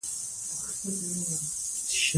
آب وهوا د افغان ماشومانو د لوبو یوه موضوع ده.